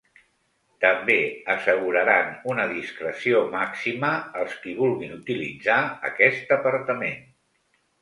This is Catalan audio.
També asseguraran una discreció màxima als qui vulguin utilitzar aquest apartament.